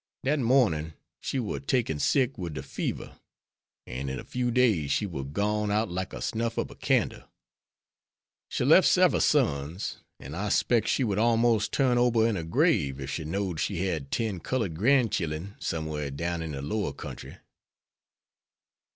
Dat mornin' she war taken sick wid de fever, an' in a few days she war gone out like de snuff ob a candle. She lef' several sons, an' I specs she would almos' turn ober in her grave ef she know'd she had ten culled granchillen somewhar down in de lower kentry."